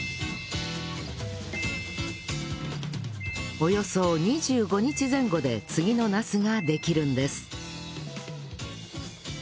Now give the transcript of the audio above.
およそ２５日前後で次のナスができるんです